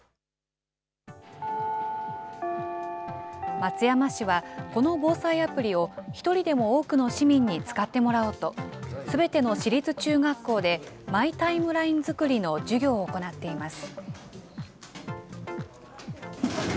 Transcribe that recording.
松山市は、この防災アプリを１人でも多くの市民に使ってもらおうと、すべての市立中学校で、マイ・タイムラインづくりの授業を行っています。